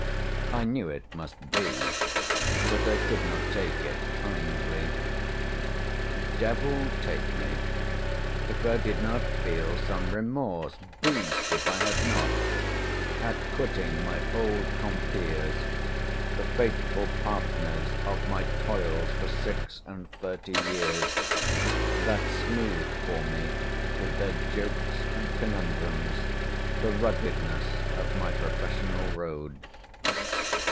I knew it must be, but I could not take it kindly. D——l take me, if I did not feel some remorse—beast, if I had not,—at quitting my old compeers, the faithful partners of my toils for six and thirty years, that smoothed for me with their jokes and conundrums the ruggedness of my professional road.